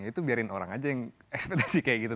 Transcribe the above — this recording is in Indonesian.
itu biarin orang aja yang ekspedisi kayak gitu